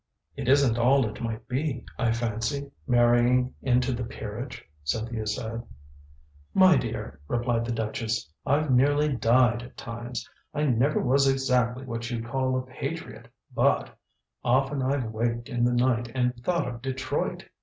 "It isn't all it might be, I fancy marrying into the peerage," Cynthia said. "My dear," replied the duchess, "I've nearly died at times. I never was exactly what you'd call a patriot, but often I've waked in the night and thought of Detroit.